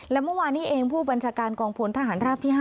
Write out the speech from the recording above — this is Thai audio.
และเมื่อวานี้เองผู้บัญชาการกองพลทหารราบที่๕